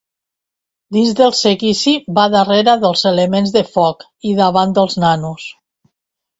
Dins del seguici va darrere dels elements de foc i davant dels nanos.